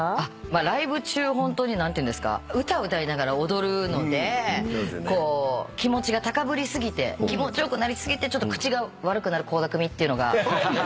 ライブ中何ていうんですか歌歌いながら踊るので気持ちが高ぶりすぎて気持ちよくなりすぎてちょっと口が悪くなる倖田來未っていうのが。